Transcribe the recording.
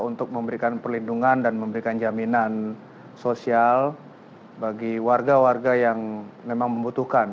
untuk memberikan perlindungan dan memberikan jaminan sosial bagi warga warga yang memang membutuhkan